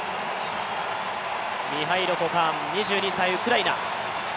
ミハイロ・コカーン２２歳ウクライナ。